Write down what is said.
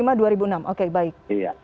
dua ribu lima atau dua ribu enam oke baik